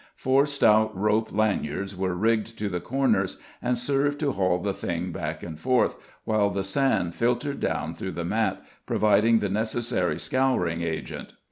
Four stout rope lanyards were rigged to the corners and served to haul the thing back and forth while the sand filtered down through the mat, providing the necessary scouring agent.